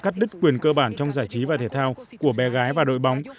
cắt đứt quyền cơ bản trong giải trí và thể thao của bé gái và đội bóng